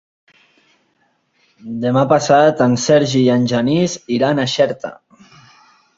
Demà passat en Sergi i en Genís iran a Xerta.